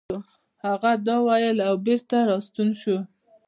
هغه دا وويل او بېرته راستون شو.